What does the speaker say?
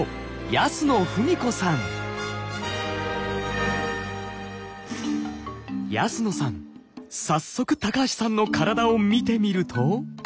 早速高橋さんの体をみてみると。